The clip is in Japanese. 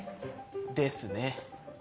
ですね。